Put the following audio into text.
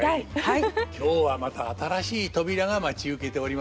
今日はまた新しい扉が待ち受けておりますよ。